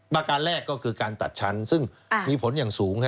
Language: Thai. ประการแรกก็คือการตัดชั้นซึ่งมีผลอย่างสูง